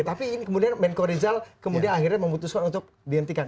tapi ini kemudian menko rizal kemudian akhirnya memutuskan untuk dihentikan